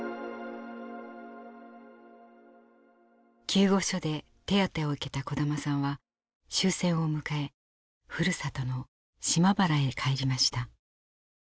救護所で手当てを受けた小玉さんは終戦を迎えふるさとの島原へ帰りました。